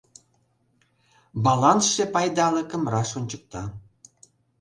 Балансше пайдалыкым раш ончыкта.